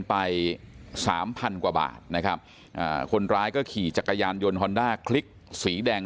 ไปสามพันกว่าบาทนะครับอ่าคนร้ายก็ขี่จักรยานยนต์ฮอนด้าคลิกสีแดง